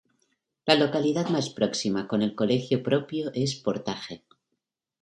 La localidad más próxima con colegio propio es Portaje.